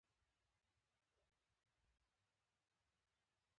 پر ونو دوا شیندل د کېمیاوي حشره وژونکو موادو په واسطه کېږي.